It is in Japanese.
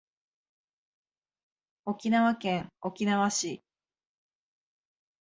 沖縄県沖縄市